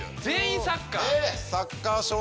全員サッカー！？